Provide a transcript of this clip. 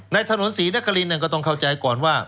ถนนศรีนครินก็ต้องเข้าใจก่อนว่า